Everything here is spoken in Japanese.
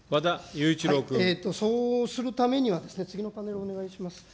そうするためにはですね、次のパネルをお願いします。